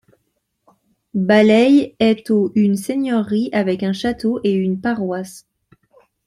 Ballay est au une seigneurie avec un château et une paroisse.